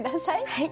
はい。